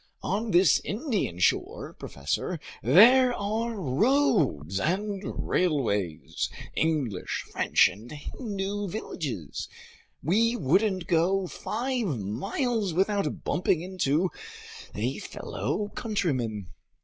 On this Indian shore, professor, there are roads and railways, English, French, and Hindu villages. We wouldn't go five miles without bumping into a fellow countryman.